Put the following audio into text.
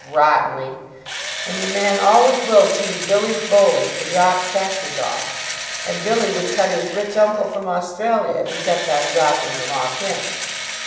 "Rottenly. And the man always will choose Billy's bowling to drop catches off. And Billy would cut his rich uncle from Australia if he kept on dropping them off him.